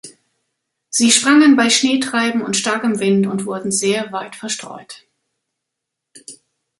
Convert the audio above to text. Sie sprangen bei Schneetreiben und starkem Wind und wurden sehr weit verstreut.